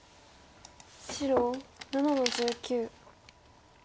白７の十九。